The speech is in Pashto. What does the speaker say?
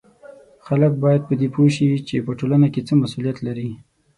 خلک باید په دې پوه سي چې په ټولنه کې څه مسولیت لري